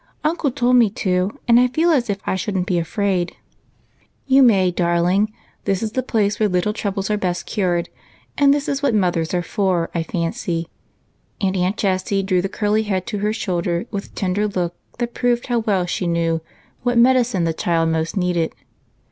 Uncle told me to, and I feel as if I should n't be afraid." "You may, darling; this is the i^lace where little troubles are best cured, and this is what mothers are for, I fancy ;" and Aunt Jessie drew the curly head to her shoulder with a tender look that j^roved how well she knew what medicine the child most needed.